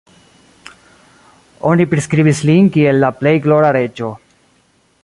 Oni priskribis lin kiel la plej glora reĝo.